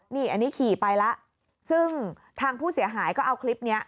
นี่อันนี้ขี่ไปแล้วซึ่งทางผู้เสียหายก็เอาคลิปนี้